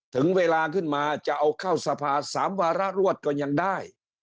ถึงเวลาขึ้นมาจะเอาเข้าสภา๓วาระรวดก็ยังได้